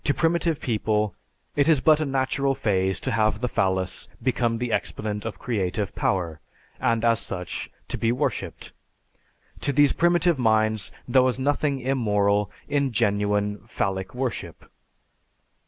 To primitive people it is but a natural phase to have the phallus become the exponent of creative power, and as such to be worshiped. To these primitive minds there was nothing immoral in genuine phallic worship.